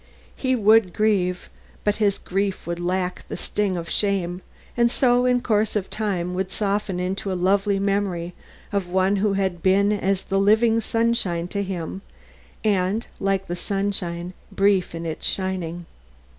He would grieve, but his grief would lack the sting of shame, and so in course of time would soften into a lovely memory of one who had been as the living sunshine to him and, like the sunshine, brief in its shining.